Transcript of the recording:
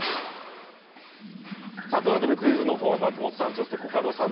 クイズの方は、松本さんコカドさん